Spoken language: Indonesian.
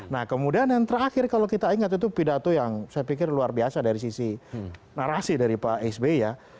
nah kemudian yang terakhir kalau kita ingat itu pidato yang saya pikir luar biasa dari sisi narasi dari pak sby ya